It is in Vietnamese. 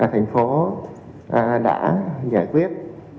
thành phố đã giải quyết